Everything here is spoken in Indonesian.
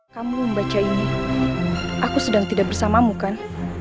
kamu membaca ini aku sedang tidak bersamamu kan